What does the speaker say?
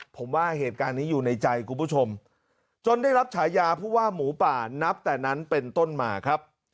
ผมว่าเหตุการณ์นี้อยู่ในใจคุณผู้ชมจนได้รับฉายาผู้ว่าหมูป่านับแต่นั้นเป็นต้นมาครับ